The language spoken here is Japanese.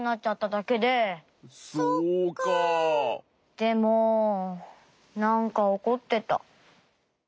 でもなんかおこってた。